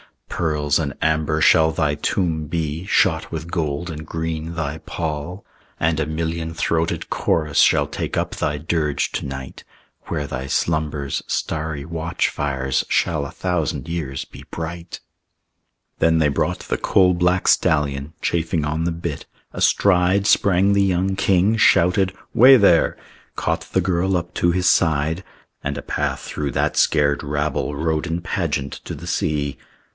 Pearls and amber shall thy tomb be; Shot with gold and green thy pall. "And a million throated chorus Shall take up thy dirge to night; Where thy slumber's starry watch fires Shall a thousand years be bright." Then they brought the coal black stallion, Chafing on the bit. Astride Sprang the young king; shouted, "Way there!" Caught the girl up to his side; And a path through that scared rabble Rode in pageant to the sea.